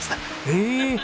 へえ！